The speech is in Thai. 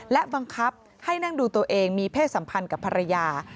และบังคับให้นั่งดูตัวเองมีเพศสัมพันธ์กับภรรยา